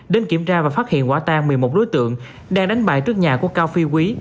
đến kiểm tra và phát hiện quả tang một mươi một đối tượng đang đánh bài trước nhà của cao phi quý